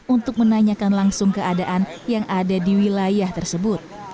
untuk menanyakan langsung keadaan yang ada di wilayah tersebut